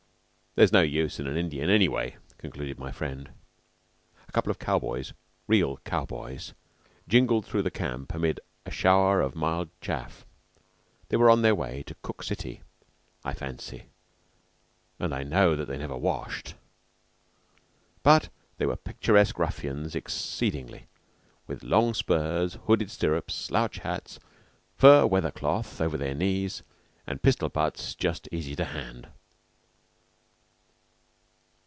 "There's no use in an Indian, anyway," concluded my friend. A couple of cow boys real cow boys jingled through the camp amid a shower of mild chaff. They were on their way to Cook City, I fancy, and I know that they never washed. But they were picturesque ruffians exceedingly, with long spurs, hooded stirrups, slouch hats, fur weather cloth over their knees, and pistol butts just easy to hand.